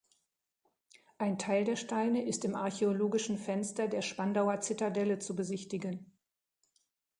Ein Teil der Steine ist im Archäologischen Fenster der Spandauer Zitadelle zu besichtigen.